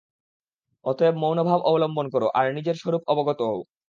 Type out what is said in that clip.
অতএব মৌনভাব অবলম্বন কর, আর নিজের স্বরূপ অবগত হও।